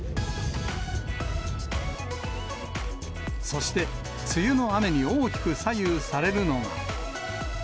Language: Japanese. そして、梅雨の雨に大きく左右されるのが。